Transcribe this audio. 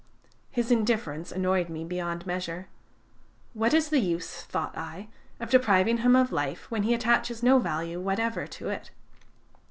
His indifference annoyed me beyond measure. 'What is the use,' thought I, 'of depriving him of life, when he attaches no value whatever to it?'